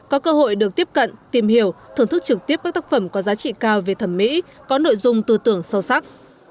có cơ hội được tiếp cận tìm hiểu thưởng thức trực tiếp các tác phẩm có giá trị cao về thẩm mỹ có nội dung tư tưởng sâu sắc